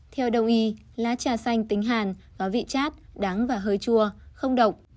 theo đồng ý lá trà xanh tính hàn có vị chát đắng và hơi chua không độc